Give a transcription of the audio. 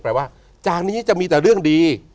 ว่าจากนี้จะมีแต่เรื่องดี